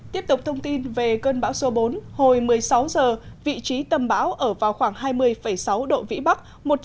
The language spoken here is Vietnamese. tiếp tục thông tin về cơn bão số bốn hồi một mươi sáu giờ vị trí tâm bão ở vào khoảng hai mươi sáu độ vĩ bắc